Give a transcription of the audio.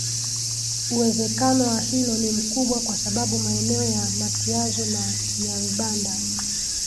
Uwezekano wa hilo ni mkubwa kwa sababu maeneo ya matyazo na nyarubanda